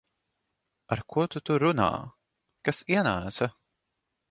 Ar ko tu tur runā? Kas ienāca?